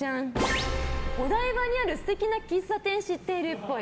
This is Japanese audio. お台場にある素敵な喫茶店を知っているっぽい。